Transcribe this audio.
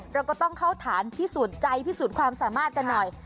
เราก็ต้องเข้าฐานพิสูจน์ใจพิสูจน์ความสามารถกันหน่อย